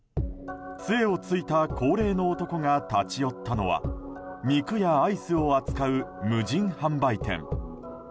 杖をついた高齢の男が立ち寄ったのは肉やアイスを扱う無人販売店。